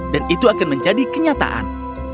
dan itu akan menjadi kenyataan